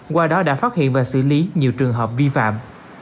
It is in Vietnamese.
qua đó đã phát hiện và xử lý nhiều trường hợp vi phạm